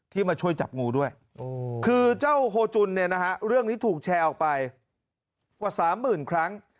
มาช่วยจับงูด้วยคือเจ้าโฮจุนเนี่ยนะฮะเรื่องนี้ถูกแชร์ออกไปกว่าสามหมื่นครั้ง